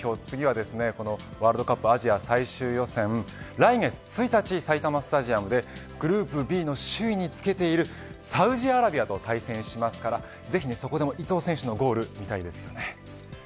次はワールドカップアジア最終予選来月１日埼玉スタジアムでグループＢの首位につけているサウジアラビアと対戦しますからぜひそこでも伊東選手のゴールに期待です。